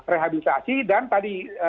rehabilitasi dan tadi